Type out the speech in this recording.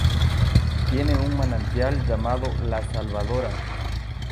Tiene un manantial llamado La Salvadora.